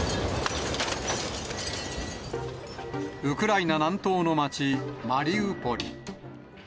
ウクライナ南東の町、マリウポリ。